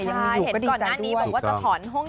ยังอยู่ก็ดีใจด้วยถูกต้องใช่เห็นก่อนหน้านี้บอกว่าจะถอนห้อง